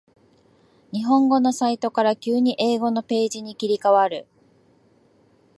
日本語のサイトから急に英語のページに切り替わる